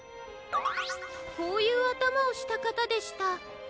こういうあたまをしたかたでした。